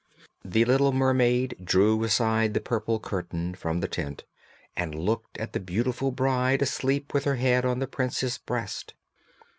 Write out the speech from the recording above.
The little mermaid drew aside the purple curtain from the tent and looked at the beautiful bride asleep with her head on the prince's breast.